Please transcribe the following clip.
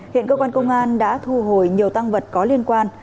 hiện cơ quan công an đã thu hồi nhiều tăng vật có liên quan